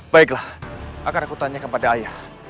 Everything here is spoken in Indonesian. baiklah akan aku tanyakan pada ayah